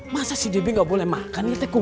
masa sih debbie nggak boleh makan ya kum